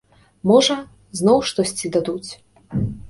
Можа, зноў штосьці дадуць.